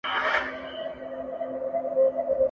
دښت مو زرغون کلی سمسور وو اوس به وي او کنه٫